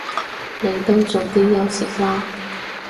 你都早啲休息啦